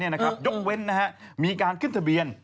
ยกเว้นมีการขึ้นทะเบียน